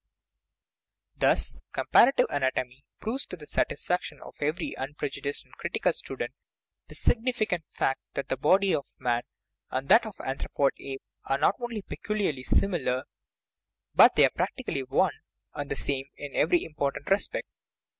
Thus comparative anatomy proves to the satisfaction of every unprejudiced and critical student the signifi cant fact that the body of man and that of the anthro poid ape are not only peculiarly similar, but they are practically one and the same in every important respect.